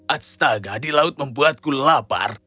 astaga di laut membuatku lapar